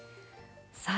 さあ